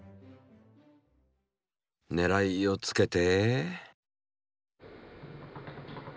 ねらいをつけて。